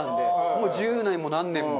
もう１０年も何年も。